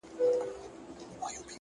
هره ورځ د ښه کېدو بلنه ده!